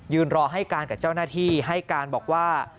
รอให้การกับเจ้าหน้าที่ให้การบอกว่า